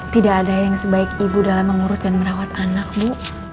tidak ada yang sebaik ibu dalam mengurus dan merawat anak bu